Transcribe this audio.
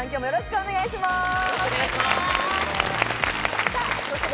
よろしくお願いします。